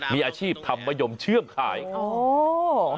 มีอาชีพธรรมยมเชื่องข่ายโอ้โห